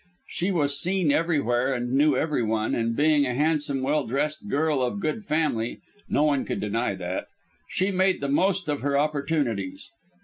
She was seen everywhere and knew everyone, and being a handsome, well dressed girl of good family no one could deny that she made the most of her opportunities.